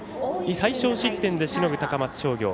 最少失点でしのぐ高松商業。